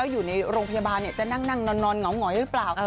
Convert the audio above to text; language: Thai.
อยู่ในโรงพยาบาลจากนั่งหนอนหง่อหงอ้ยหรือเปล่า